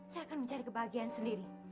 saya akan mencari kebahagiaan sendiri